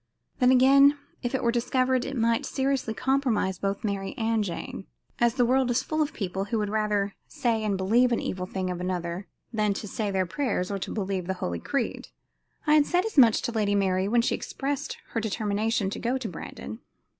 Then again, if it were discovered it might seriously compromise both Mary and Jane, as the world is full of people who would rather say and believe an evil thing of another than to say their prayers or to believe the holy creed. I had said as much to the Lady Mary when she expressed her determination to go to Brandon.